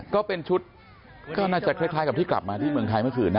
ก็เป็นชุดก็น่าจะคล้ายกับที่กลับมาที่เมืองไทยเมื่อคืนนะ